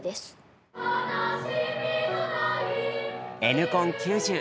「Ｎコン９０」